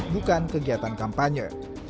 bukan kegiatan kampanye